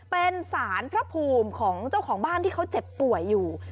เป็นสารพระภูมิของเจ้าของบ้านที่เขาเจ็บป่วยอยู่